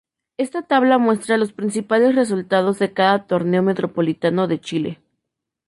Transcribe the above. Esta tabla muestra los principales resultados de cada Torneo Metropolitano de Chile.